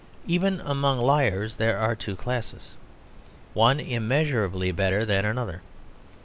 Even among liars there are two classes, one immeasurably better than another.